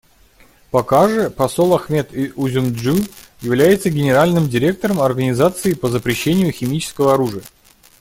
Пока же посол Ахмет Узюмджю является Генеральным директором Организации по запрещению химического оружия.